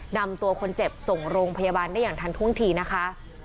นำตัวคนเจ็บส่งโรงพยาบาลได้อย่างทันท่วงทีนะคะ